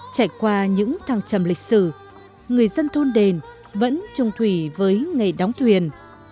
trải qua những thăng trầm lịch sử người dân thôn đền vẫn trung thủy với nghề đóng thuyền